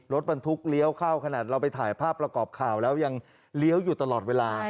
รถบรรทุกเลี้ยวเข้าขนาดเราไปถ่ายภาพประกอบข่าวแล้วยังเลี้ยวอยู่ตลอดเวลา